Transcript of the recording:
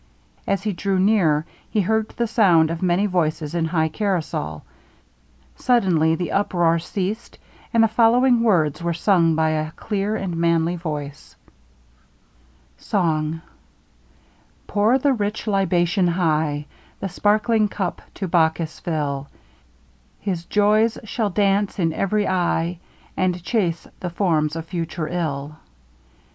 As he drew near, he heard the sound of many voices in high carousal. Suddenly the uproar ceased, and the following words were sung by a clear and manly voice: SONG Pour the rich libation high; The sparkling cup to Bacchus fill; His joys shall dance in ev'ry eye, And chace the forms of future ill!